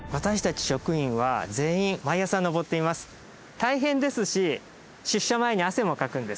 大変ですし出社前に汗もかくんです。